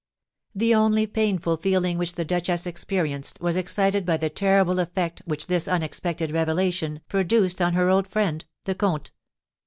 The only painful feeling which the duchess experienced was excited by the terrible effect which this unexpected revelation produced on her old friend, the comte.